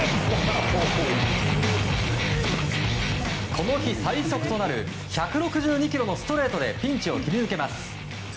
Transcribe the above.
この日最速となる１６２キロのストレートでピンチを切り抜けます。